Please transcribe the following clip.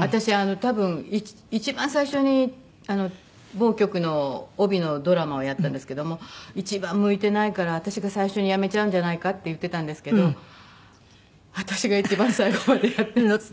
私多分一番最初に某局の帯のドラマをやったんですけども一番向いてないから私が最初に辞めちゃうんじゃないかって言ってたんですけど私が一番最後までやってまして。